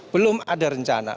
belum ada rencana